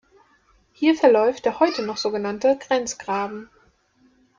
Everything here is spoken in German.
Hier verläuft der heute noch so genannte "Grenzgraben".